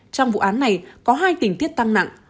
trong vụ án này có hai tình tiết tăng nặng